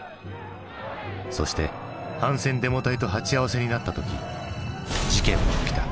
そして反戦デモ隊と鉢合わせになった時事件は起きた。